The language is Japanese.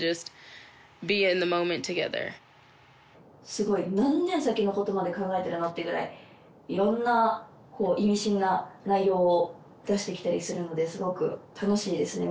すごい何年先のことまで考えてるのってぐらいいろんな意味深な内容を出してきたりするのですごく楽しいですね